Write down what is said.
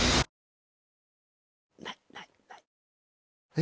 え！